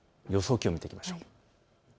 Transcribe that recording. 気温を見ていきましょう。